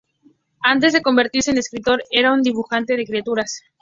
Antes de convertirse en escritor, era un dibujante de caricaturas.